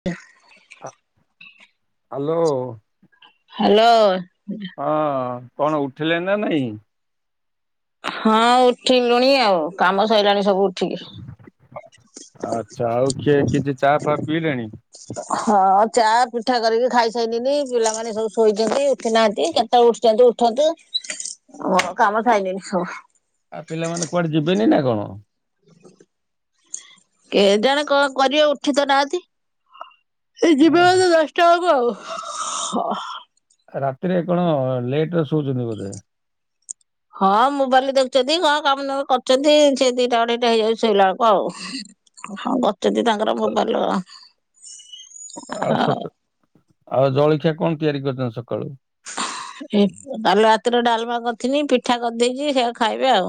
[unintelligible] Hello. Hello. ହଁ କଣ ଉଠିଲେ ନା ନାହିଁ? ହଁ ଉଠିଲୁଣି ଆଉ କାମ ସରିଲାଣି ସବୁ ଉଠିକି। ଆଚ୍ଛା ଆଉ କିଏ କିଛି ଚା ଫା ପିଇଲେଣି? ହଁ ଚା ପିଠା କରିକି ଖାଇସାଇନିନି ପିଲାମାନେ ସବୁ ଶୋଇଛନ୍ତି ଉଠିନାହାନ୍ତି କେତେବେଳେ ଉଠିଛନ୍ତି ଉଠନ୍ତୁ ମର କାମ ସାଇନିଣିି ସବୁ। ଆଉ ପିଲାମାନେ କୁଆଡ଼େ ଯିବେନି ନା କଣ? କେଜାଣେ କଣ କରିବା ଉଠି ତ ନାହାନ୍ତି ଏ ଅ, ଯିବାତ ଦଶ [unintelligible] ରାତିରେ କଣ ଲେଟରେ ଶୋଉଛନ୍ତି ବୋଧେ? ହଁ ମୋବାଇଲ୍ ଦେଖୁଛନ୍ତି କଣ କାମ ଦାମ କରଛନ୍ତି ସେ ଦିଟା ଅଢେ଼ଇଟା ହେଇଯାଉଛି ସେଇଲାଆକୁ ଆଉ। [unintelligible] ତାଙ୍କର ମୋବାଇଲ୍ ଆଉ ସକା ଆଉ ଜଳଖିଆ କଣ ତିଆରି କରିୁଛନ୍ତି ସକାଳୁ? ଏ କାଲି ରାତିରେ ଡ଼ାଲମା କରିଥିଲି ପିଠା କରିଦେଇଛି ସେଆ ଖାଇବେ ଆଉ।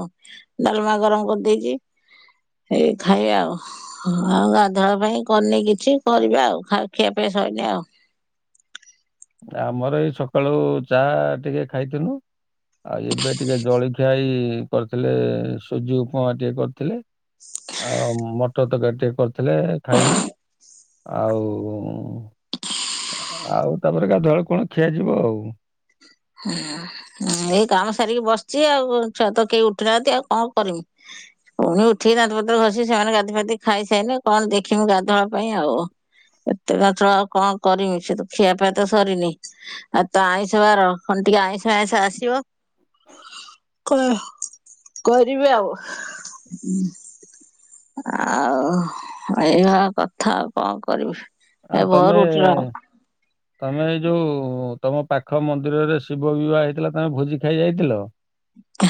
ଡ଼ାଲମା ଗରମ କରିଦେଇଚି ହେଇ ଖାଇବେ ଆଉ। ହଁ ଆଉ ଗାଧୁଆଳ ପାଇଁ କରିନି କିଛି କରିବା ଆଉ ଖା ଖିଆ ପାଇଁ ସଇନେ ଆଉ। ଆମର ଏଇ ସକାଳୁ ଚା ଟିକେ ଖାଇଥିନୁ। ଆଉ ଏବେ ଟିକେ ଜଳଖିଆଇ ଇଏ କରିଥିଲେ ସୁଜି ଉପମା ଟିକେ କରିଥିଲେ। ଆଉ ମଟର ତରକାରୀ ଟିକେ କରିଥିଲେ ଖାଇଲୁ ଆଉ ଆଉ ତାପରେ ଗାଧଆଳୁ କଣ ଖିଆଯିବ ଆଉ। ହୁଁ ଏଇ କାମ ସାରିକି ବସିଚି ଆଉ ଛୁଆତ କେହି ଉଠିନାହାନ୍ତି ଆଉ କଣ କରିମି। ପୁଣି ଉଠିକି ଦାନ୍ତପତ୍ର ଘଷି ସେମାନେ ଗାଧି ଫାତି ଖାଇସାଇନେ କଣ ଦେଖିମି ଗାଧୁଆଳ ପାଇଁ ଆଉ। ଏତେ ଚଞ୍ଚଳ ଆଉ କଣ କରିମି ସେ ତୁ ଖିଆପିଆ ତ ସରିନି ଆଉ ତ ଆଇଁଷ ବାର। କଣ ଟିକେ ଆଇଁଷ ଆଇଁଷ ଆସିବ। କଣ କରିବି ଆଉ ଆଉ ଏଭଳିଆ କଥା ଆଉ କଣ କରିବି? ଆଉ ଏ ତମେ ଭୋରୁ ଉଠିଲଉଁ। ତମେ ଏଇ ଯୋଉ ତମ ପାଖ ମନ୍ଦିରରେ ଶିବ ବିବାହ ହେଇଥିଲା ତମେ ଭୋଜି ଖାଇ ଯାଇଥିଲ?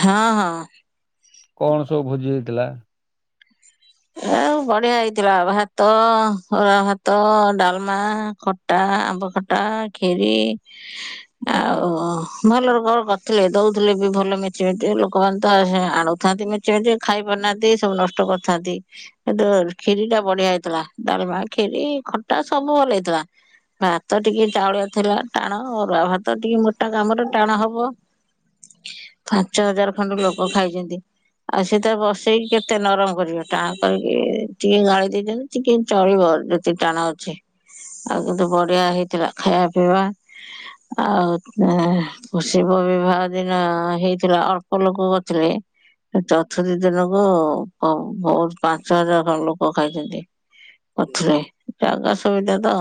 ହଁ ହଁ। କଣ ସବୁ ଭୋଜି ହେଇଥିଲା? ଏ ବଢିଆ ହେଇଥିଲା ଭାତ, ଅରୁଆ ଭାତ, ଡାଲମା ଖ ଟା ଆମ୍ବ ଖଟା, ଖିରି ଆଉ ଭଲ ରକମ ର କରିଥିଲେ। ଦଉଥିଲେ ବି ଭଲ ମେଞ୍ଚେ ମେଞ୍ଚେ ଲୋକମାନେ ତ ଏହେଁ ଆଣୁ ଥାନ୍ତି ମେଞ୍ଚେ ମେଞ୍ଚେ ଖାଇ ପାରୁନାହାନ୍ତି ସବୁ ନଷ୍ଟ କରୁଥାନ୍ତି। [unintelligible] ଖିରି ଟା ବଢିଆ ହେଇଥିଲା। ଡାଲମା, ଖିରି, ଖଟା ସବୁ ଭଲ ହେଇଥିଲା। ଭାତ ଟିକେ ଚାଉଳିଆ ଥିଲା ଟାଣ ଅରୁଆ ଭାତ ଟିକେ ମୋଟା କାମରେ ଟାଣ ହବ। ପାଞ୍ଚ ହଜାର ଖଣ୍ଡେ ଲୋକ ଖାଇଚନ୍ତି ଆଉ ସେ ତାକ ବସେଇକି କେତେ ନରମ କରିବେ? ଟାଣ କରିକି ଟିକେ ଗାଳି ଦେଇଚନ୍ତ ଟିକେ ଚଳିବ ଯେତିକି ଟାଣ ଅଛି। ଆଉ କିନ୍ତୁ ବଢିଆ ହେଇଥିଲା ଖାଇବା ପିଇବା ଆଉ [unintelligible] ମୁଁ ଶିବ ବିବାହ ଦିନ ହେଇଥିଲା ଅଳ୍ପ ଲୋକ କରିଥିଲେ। ମୁଁ ଚତୁୁର୍ଥୀ ଦିନକୁ ଅମ୍ ବହୁତ୍ ପାଞ୍ଚ ହଜାର ଖଣ୍ଡେ ଲୋକ ଖାଇଚନ୍ତି। କରିଥିଲେ। ଜାଗା ସୁବିଧା ତ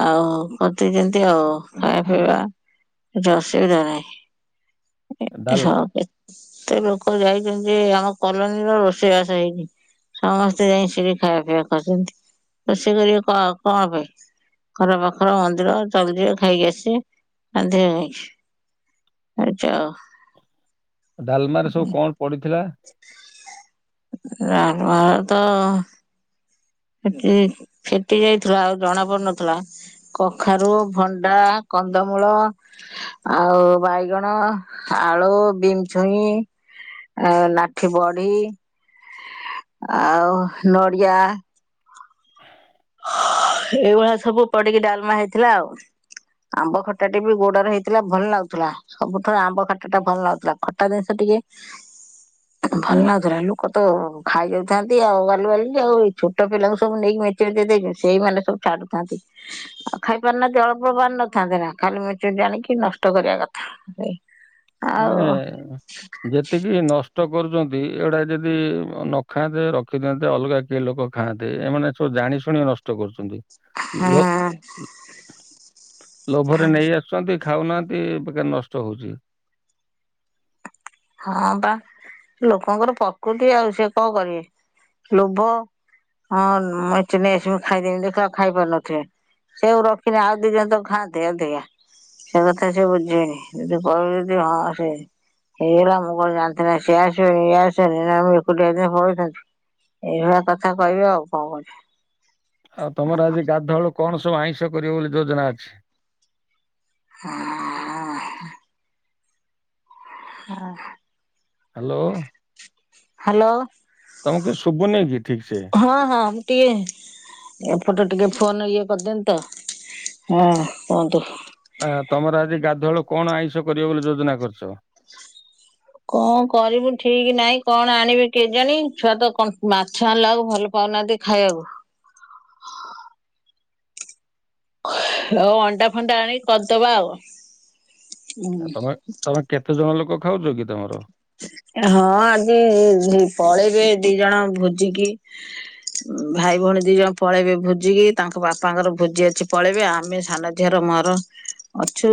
ଆଉ କରନ୍ତି ଯେମତି ଆଉ ଖାଇବା ପିଇବା ଜସେଇ ଜଣେ ଏ ଡାଲ ଶୁଣ ଏ ଏତେ ଲୋକ ଯାଇଛନ୍ତି ଯେ ଆମ କଲୋନୀର ରୋଷ୍ ଷେଇବାସ ହେଇନି ସମସ୍ତେ ଯାଇଁକି ସେଠି ଖାଇବା ପିଇବା କରିଛନ୍ତି। ରୋଷେଇ କରିବ କଣ କଣ ପାଇଁ? ଘର ପାଖର ମନ୍ଦିର ଚାଲିଯିବେ ଖାଇକି ଆସିବେ ରାନ୍ଧିବେ କାହିଁକି? ଆଚ୍ଛା। ଡାଲମାରେ ସବୁ କଣ ପଡିଥିଲା? ଡାଲମା ରେ ତ ଫିଟି ଫିଟି ଯାଇଥିଲା ଆଉ ଜଣା ପଡୁନଥିଲା। କଖାରୁ, ଭଣ୍ଡା, କନ୍ଦମୂଳ। ଆଉ ବାଇଗଣ, ଆଳୁ, ବିମ ଛୁଇଁ। ଆଉ ଲାଠି ବଡି ଆଉ ନଡ଼ିଆ। ଏଇଭଳିଆ ସବୁ ପଡିକି ଡାଲମା ହେଇଥିଲା ଆଉ। ଆମ୍ବ ଖଟା ଟେ ବି ଗୋଡରେ ହେଇଥିଲା ଭଲ ଲାଗୁଥୁଲା। ସବୁଠାରୁ ଆମ୍ବ ଖାଟା ଟା ଭଲ ଲାଗୁଥିଲା। ଖଟା ଜିନିଷ ଟିକେ ଭଲ ନାଗୁଥିଲା ଲୋକ ତ ଖାଇଯାଉଥାନ୍ତି ଆଉ ବାଲୁ ବାଲୁ କି ଆଉ ଏଇ ଛୋଟ ପିଲାଙ୍କୁ ସବୁ ନେଇକି ମୁଁ ଏତ୍ [unintelligible] ସେଇ ମାନେ ସବୁ ଛାଡୁଥାନ୍ତି। ଆଉ ଖାଇପାର ନାହାଁନ୍ତି ଅଳପ ଅଳପ ଆଣିନଥାନ୍ତେ ନା ଖାଲି ମେଞ୍ଚେ ମେଞ୍ଚେ ଆଣିକି ନଷ୍ଟ କରିବା କଥା। [unintelligible] ମାନେ ଯେତିକି ନଷ୍ଟ୍ ଷ୍ଟ କରୁଚନ୍ତି ଏଗୁଡା ଯେଦି ଅଁ ନ ଖାଆନ୍ତେ ରଖିଦିଅନ୍ତେ ଅଲଗା କିଏ ଲୋକ ଖାଆନ୍ତେ ଏମାନେ ସବୁ ଜାଣି ଶୁଣି ନଷ୍ଟ କରୁଚନ୍ତି। ଲୋକ୍ ହୁଁ ଲୋଭରେ ନେଇ ଆସୁଚନ୍ତି ଖାଉନାହାନ୍ତି ବେକାର ନଷ୍ଟ ହଉଚି। ହଁ ବା ଲୋକଙ୍କର ପ୍ରକୃତି ଆଉ ସେ କଣ କରିବେ ଲୋଭ ହଁ ମେଞ୍ଚେ ନେଇ ଆସିବି ଖାଇଦେମି ଦେଖିଲା ବେଳୁ ଖାଇ ପାରୁ ନଥିବେ। ସେଇଆକୁ ରଖିନେ ଆଉ ଦି ଜଣ ତ ଖାଆନ୍ତେ ଅଧିକା। ସେ କଥା ସେ ବୁଝି ବେକି ଯଦି କହିବୁ ଯଦି ହଁ ସେ ହେଇଗଲା ମୁଁ କଣ ଜାଣିଥିନି ସେ ଆସିବ ଇଏ ଆସିବ [unintelligible] ଏଇଭଳିଆ କଥା କହିବେ ଆଉ କଣ କରିବେ। ଆଉ ତମର ଆଜି ଗାଧଆଳୁ କଣ ସବୁ ଆଇଁଷ କରିବ ବୋଲି ଯୋଜନା ଅଛି? ହୁଁ। ହଁ। ହ୍ୟାଲୋ। ହ୍ୟାଲୋ। ତମକୁ କିଛି ଶୁଭୁନିକି କି ଠିକ ସେ? ହଁ ହଁ ମୁଁ ଟିକେ ଏପଟେ ଟିକେ ଫୋନ ଇଏ କରିଦେନିତ ହଁ କୁହନ୍ତୁ? ଆ ତମର ଆଜି ଗାଧୁଆଳୁ କଣ ଆଇଁଷ କରିବ ବୋଲି ଯୋଜନା କରିଛ? କଣ କରିବୁ ଠିକି ନାଇଁ କଣ ଆଣିବି କେଜାଣି ଛୁଆ ତ କ ମାଛ ଆଣିଲା ବେଳକୁ ଭଲ ପାଉନାହାଁନ୍ତି। ଖାଇବାକୁ। ଆଉ ଅଣ୍ଡା ଫଣ୍ଡା ଆଣିକି କରିଦବା ଆଉ। ଆଉ ତମେ ତମେ କେତେ ଜଣ ଲୋକ ଖାଉଛ କି ତମର? ହଁ ଆଜି ଝି ପଳେଇବେ ଦି ଜଣ ଭୋଜିକି। ଭାଇ ଭଉଣୀ ଦି ଜଣ ପଳେଇବେ ଭୋଜିିକି ତାଙ୍କ ବାପାଙ୍କର ଭୋଜି ଅଛି ପଳେଇବେ ଆମେ ସାନ ଝିଅର ମର ଅଛୁ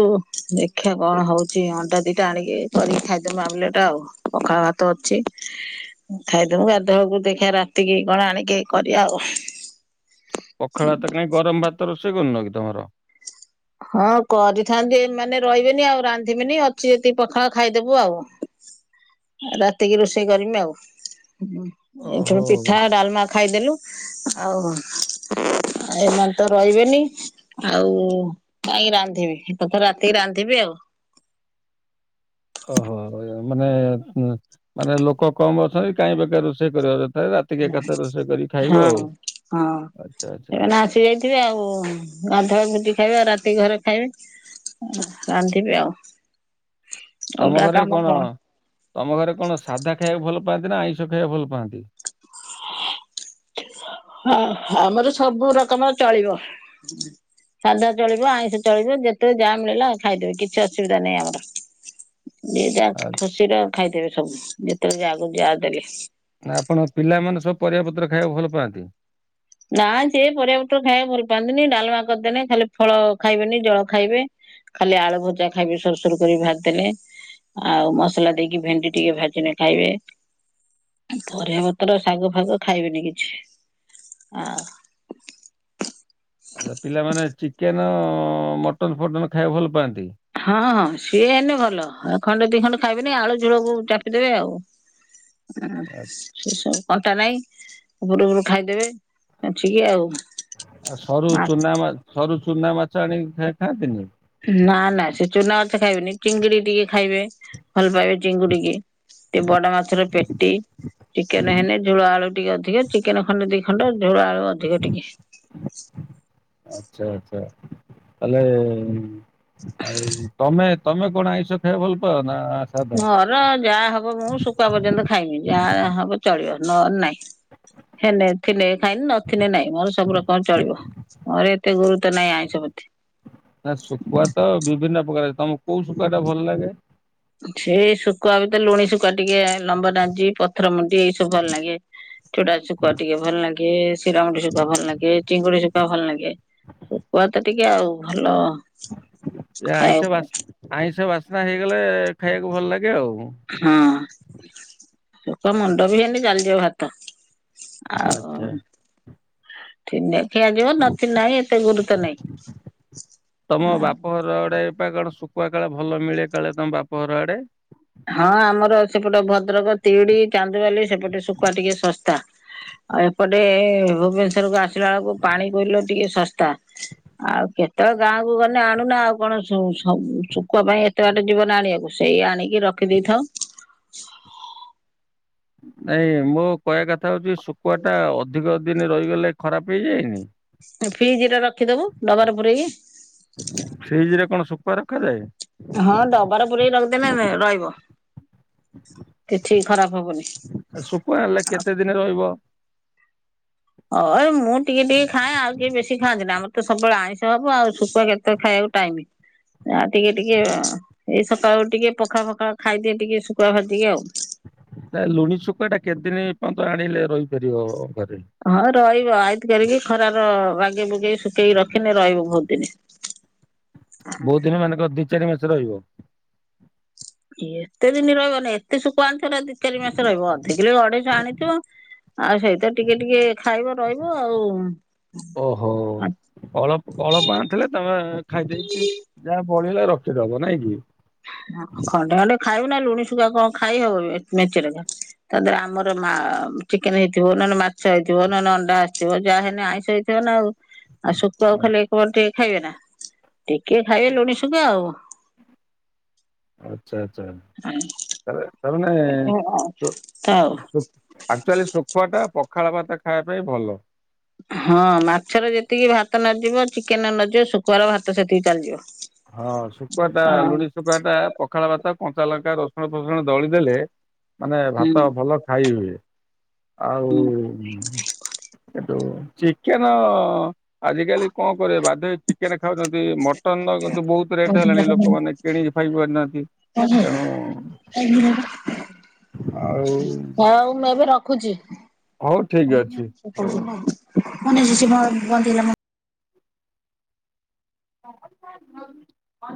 ଦେଖା କଣ ହଉଛି ଅଣ୍ଡା ଦିଟା ଆଣିକି କରିକି ଖା ମାମଲେଟେ ଆଉ ପଖାଳ ଭାତ ଅଛି। ଖାଇଦବୁ ଗାଧୁଆଳକୁ ଦେଖିଆ ରାତିକି କଣ ଆଣିକି କରିବା ଆଉ। ପଖାଳ ଭାତ କାହିଁ ଗରମ ଭାତ ରୋଷେଇ କରୁନ କି ତମର? ହଁ କରିଥାନ୍ତି ମାନେ ରହିବେନି ଆଉ ରାନ୍ଧିବି। ନି ଅଛି ଯତିକି ପଖାଳ ଖାଇଦବୁ ଆଉ। ରାତିକି ରୋଷେଇ କରିମି ଆଉ ଉଁ ଏଠିବିପି ଓହୋ ପିଠା ଡାଲମା ଖାଇଦେଲୁ ଆଉ ଏମାନେ ତ ରହିବେନି। ଆଉ କାହିଁକି ରାନ୍ଧିବି ଏକାଥରେ ରାତିକି ରାନ୍ଧିବି ଆଉ। ଓହୋ ଏ ମାନେ ଉଁ ମାନେ ଲୋକ କମ ଅଛନ୍ତି କାହିଁ ବେକାର ରୋଷେଇ ଏକାଥରେ ରା ଏଥିକି ଏକାତରେ ରଷେଇ କରି ହଁ ଖାଇବ ଆଉ ଆଚ୍ଛା ଆଚ୍ଛା। ସେଥିବେ ଆଉ ଗାଧୁଆ ଭୁଜି ଖାଇବେ ଆଉ ରାତି ଘରେ ଖାଇବେ। ଉଁ ରାନ୍ଧିବି ଆଉ। ତମ ଅଲଗା ଘରେ କାମ କଣ ତମ ଘରେ କଣ ସାଧା ଖାଇବାକୁ ଭଲ ପାଆନ୍ତି ନା ଆଇଁଷ ଖାଇବାକୁ ଭଲ ପାଆନ୍ତି? ହଁ ଆମର ସବୁ ରକମ ଚଳିବ। ସାଧା ଚଳିବ ଆଇଁଷ ଚଳିବ ଯେତେବେଳେ ଯାହା ମିଳିଲା ଖାଇଦେବି କିଛି ଅସୁବିଧା ନାହିଁ ଆମର। ଜିଏଯା ଆ ଖୁସିର ଖାଇଦେବେ ସବୁ ଯେତେବେଳେ ଯାହାକୁ ଯାହା ଦେଲେ। ନା ଆପଣ ପିଲାମାନେ ସବୁ ପରିବା ପତ୍ର ଖାଇବାକୁ ଭଲ ପାଆନ୍ତି? ନା ସିଏ ପରିବା ପତ୍ର ଖାଇବାକୁ ଭଲ ପାଆନ୍ତିନି ଡାଲମା କରିଦେନଜ ଖାଲି ଫଳ ଖାଇବେନି ଜଳ ଖାଇବେ। ଖାଲି ଆଳୁ ଭଜା ଖାଇବେ ସରୁ ସରୁ କରି ଭାଜି ଦେଲେ। ଆଉ ମସଲା ଦେଇକି ଭେଣ୍ଡି ଟିକେ ଭାଜିନେ ଖାଇବେ। ପରିବା ପତ୍ର ଶାଗ ଫାଗ ଖାଇବେନି କିଛି। ଆ। ଆ ପିଲାମାନେ ଚିକେନ ମଟନ ଫଟନ ଖାଇବାକୁ ଭଲ ପାଆନ୍ତି? ହଁ ହଁ ସିଏ ହେନେ ଭଲ ଏ ଖଣ୍ଡେ ଦି ଖଣ୍ଡେ ଖାଇବେନି ଆଳୁ ଝୁଳକୁୁ ଚାପିଦେବେ ଆଉ। ହ ସେସବ କଣ୍ଟା ନାହିଁ ଉପରୁ ଉପରୁ ଖାଇଦେବେ ଛବାଛି କି ଆଉ ଆଉ ସରୁ ଚୁନା ମା ସରୁ ଚୁନା ମାଛ ଆଣିକି ଖାଆନ୍ତିନି? ନା ନା ସେ ଚୁନା ମାଛ ଖାଇବେନି। ଚିଙ୍ଗୁଡି ଟିକେ ଖାଇବେ ଭଲ ପାଇବେ ଚିଙ୍ଗୁଡିିକି। ଟେ ବଡ ମାଛର ପେଟି। ଚିକେନ ହେନେ ଝୋଳ ଆଳୁ ଟିକେ ଅଧିକ, ଚିକେନ ଖଣ୍ଡେ ଦି ଖଣ୍ଡ ଝୋଳ ଆଳୁ ଅଧିକ ଟିକେ। ଆଚ୍ଛା ଆଚଛା ତାଲେ ଆଉ ତମେ ତମେ କଣ ଆଇଁଷ ଖାଇବାକୁ ଭଲ ପାଅ ନା? ସାଧା? ମୋର ଯାହା ହବ ମୁଁ ଶୁଖୁ ପର୍ଯ୍ୟନ୍ତ ଖାଇମି ଯାହା ହବ ଚଳିବ ନହେଲେ ନାଇଁ। ହେଲେ ଥିଲେ ଖାଇ ନଥିଲେ ନାଇଁ ମୋର ସବୁ ପ୍ରକାର ଚଳିବ। ମୋର ଏତେ ଗୁରୁତ୍ୱ ନାହିଁ ଆଇଁଷ ପ୍ରତି। ନା ଶୁଖୁଆ ତ ବିଭିନ୍ନ ପ୍ରକାର ଅଛି। ତମକୁ କୋଉ ଶୁଖୁଆ ଟା ଭଲ ଲାଗେ? ସେ ଶୁଖୁଆ ବି ତ ଲୁଣି ଶୁଖୁଆ ଟିକେ ଲମ୍ବା ନାଡାଜି ପଥର ମୁଣ୍ଡି ଏଇ ସବୁ ଭଲ ଲାଗେ। ଚୁଡା ଶୁଖୁଆ ଟିକେ ଭଲ ଲାଗେ, ଶିରମୁଣ୍ଡି ଶୁଖୁଆ ଭଲ ଲାଗେ, ଚିଙ୍ଗୁଡି ଶୁଖୁଆ ଭଲ ଲାଗେ। ଶୁକୁଆ ତ ଟିକେ ଆଉ ଭଲ। ଏ ଆଇଁଷ ଖାଇବାକୁ ବାସ୍ ଆଇଁଷ ବାସ୍ନା ହେଇଗଲେ ଖାଇବାକୁ ଭଲ ଲାଗେ ଆଉ। ହଁ ଶୁକୁଆ ମୁଣ୍ଡ ବି ହେଲେ ଚାଲିଯିବ ଭାତ। ଆଉ ଆଚ୍ଛା। ଥିନେ ଖିଆଯିବ ନଥିନେ ନାହିଁ ଏତେ ଗୁରୁତ୍ୱ ତମ ନାହିଁ। ବାପଘର ଆଡେ ପା କଣ ଶୁକୁଆ କାଳେ ଭଲ ମିଳେ କାଳେ ତମ ବାପଘର ଆଡେ। ହଁ ଆମର ସେପଟେ ଭଦ୍ରକ ତିହିଡି ଚାନ୍ଦବାଲି ସେପଟେ ଶୁଖୁଆ ଟିକେ ଶସ୍ଥା। ଆଉ ଏପଟେ ଏ ଭୁବେନଶରକୁ ଆସିଲା ବେଳକୁ ପାଣି କୋଇଲର ଟିକେ ଶସ୍ଥା। ଆଉ କେତେବେଳେ ଗାଁକୁ ଗଲେ ଆଣୁନା ଆଉ କଣ ଶ ହ ଶୁଖୁଆ ପାଇଁ ଏତେ ବାଟ ଜୀବନା ଆଣିବାକୁ ସେଇ ଆଣିକି ରଖିଦେଇଥାଉ। ନାଇଁ ମୋ କହିବା କଥା ହଉଚି ଶୁଖୁଆ ଟା ଅଧିକ ଦିନ ରହିଗଲେ ଖରାପ ହେଇଯାଇଏନି? ଫ୍ରିଜ ରେ ରଖିଦବ ଡବାର ପୂୁରେଇକି। ଫ୍ରିଜରେ କଣ ଶୁଖୁଆ ରଖାଯାଏ? ହଁ ଡବାର ପୁରେଇକି ରଖିଦେଲନ ରହିବ କିଛି ଖରାପ ହବନି। ଶୁଖୁଆ ହେଲେ କେତେ ଦିନ ରହିବ? ଅଏ ମୁଁ ଟିକେ ଟିକେ ଖାଏଁ ଆଉ କିଏ ବେଶୀ ଖାଆନ୍ତିନା ଆମର ତ ସବୁବେଳେ ଆଇଁଷ ହବ ଆଉ ଶୁଖୁଆ କେତେ ଖାଇବା ଟାଇମ ଆ ଟିକେ ଟିକେ ଏଇ ସକାଳୁ ଟିକେ ପଖାଳ ଫଖାଳ ଖାଇଦିଏ ଟିକେ ଶୁଖୁଆ ଭାଜିକି ଆଉ। ନା ଲୁଣି ଶୁଖୁଆଟା କେତେଦିନ ପର୍ଯ୍ୟନ୍ତ ଆଣିଲେ ରହିପାରିବ ଘରେ? ହଁ ରହିବ ଆଇତି କରିକି ଖରାର ବାଗେଇ ବୁଗେଇ ଶୁଖେଇକି ରଖିନେ ରହିବ ବହୁତ ଦିନ। ବହୁତ ଦିନ ମାନେ କଣର ଦି ଚାରି ମାସ ରହିବ? ଏତେ ଦିନ ରହିବନି। ଏତେ ଶୁଖୁଆ ଆଣିଛ ନା ଦି ଚାରି ମାସ ରହିବ ଅଧିକିଲ ଅଢେଇସ ଆଣିଥିବ। ଆଉ ସେଇ ତ ଟିକେ ଟିକେ ଖାଇବ ରହିବ ଆଉ। ଓହୋ ଅଳ ଅଳପ ଆଣି ଥିଲେ ତମେ ଖାଇ ଦେଇକି ଯାହା ବଳିଲା ରଖିଦବ ନାଇଁ କି? ହଁ ଖଣ୍ଡେ ଅଧେ ଖାଇବୁ ନା ଲୁଣି ଶୁଖୁଆ କଣ ଖାଇ ହବ କି ମେଞ୍ଚେନେଖା? ତା ଦେହରେ ଆମର ମା ଚିକେନ ହେଇଥିବ, ନହେନେ ମାଛ ହେଇଥିବ, ନହେନେ ଅଣ୍ଡା ଆସିଥିବ ଯାହା ହେନ ଆଇଁଷ ହେଇଥି ବ ନା ଆଉ। ଆଉ ଶୁଖୁଆ କୁ ଖାଲି ଏକାର ଟିକେ ଖାଇବେ ନା। ଟିକେ ଖାଇବେ ଲୁଣି ଶୁଖୁଆ ଆଉ। ଆଚ୍ଛା ଆଚ୍ଛା। ଆଁ। ତାପରେ ତାମାନେ ଛ ଆଉ ଛ ଆକ୍ଚୁଆଲି ଶୁଖୁଆ ଟା ପଖାଳ ଭାତ ଖାଇବା ପାଇଁ ଭଲ। ହଁ ମାଛରେ ଯେତିକି ଭାତ ନଯିବ, ଚିକେନରେ ନଯିବ ଶୁଖୁଆର ଭାତ ସେତିକି ଚାଲିଯିବ। ହଁ ଶୁଖୁଆ ଟା ହଁ ଲୁଣି ଶୁଖାଆ ଟା ପ ପଖାଳ ଭାତ କଞ୍ଚା ଲଙ୍କା ରଷୁଣ ଫସୁଣ ଦଳିଦେଲେ ମାନେ ହୁଁ ଭାତ ଭଲ ଖାଇ ହୁଏ। ଆଉ ହୁଁ। କିନ୍ତୁ ଚିକେନ ଆଜିକାଲି କଣ କରିବ ବାଧ୍ୟ ହେଇ ଚିକେନ ଖାଉଛନ୍ତି ମଟନ ର କିନ୍ତୁ ବହୁତ ରେଟ ହେଲାଣି ଲୋକମାନେ କିଣିକି ଖାଇ ପାରୁନାହାନ୍ତି। ତେଣୁ [unintelligible] ଆଉ ହୋଉ ମୁଁ ଏବେ ରଖୁଛି ହଉ ଠିକ ଅଛି ହଉ। [inaudible] [unintelligible]